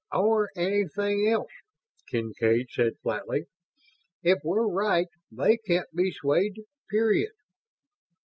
"Or anything else," Kincaid said, flatly. "If we're right they can't be swayed, period."